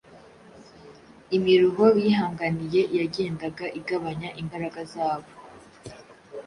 Imiruho bihanganiye yagendaga igabanya imbaraga zabo.